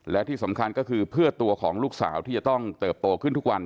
และที่สำคัญก็คือเพื่อตัวของลูกสาวที่จะต้องเติบโตขึ้นทุกวัน